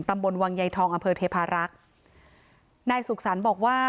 ตำบลวังใยทองอำเภอเทพารักษ์นายสุขสรรค์บอกว่า